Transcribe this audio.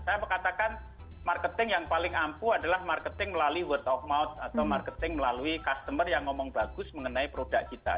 saya katakan marketing yang paling ampuh adalah marketing melalui world of mouth atau marketing melalui customer yang ngomong bagus mengenai produk kita